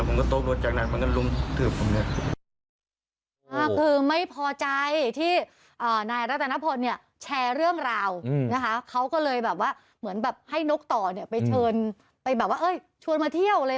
ก็คือไม่พอใจที่นายรัฐนพลเนี่ยแชร์เรื่องราวเขาก็เลยแบบว่าเหมือนแบบให้นกต่อเป็นเชิญไปบอกว่าเฮ้ยชวนมาเที่ยวเลย